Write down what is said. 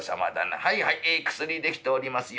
はいはい薬出来ておりますよ」。